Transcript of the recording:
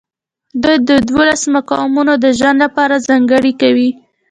دوی دولتي مقامونه د ځان لپاره ځانګړي کوي.